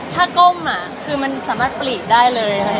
ถ้ากก้มอ่ะคือมันสามารถปิหาได้เลย